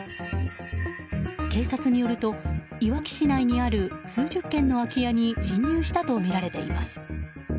警察によると、いわき市内にある数十軒の空き家に侵入したとみられています。